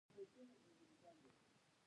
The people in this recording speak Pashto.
د غاښونو د درد لپاره کوم بوټی وکاروم؟